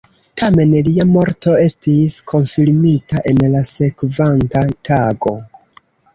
Tamen, lia morto estis konfirmita en la sekvanta tago.